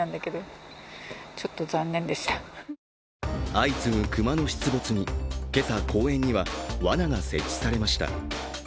相次ぐ熊の出没に今朝、公園にはわなが設置されました。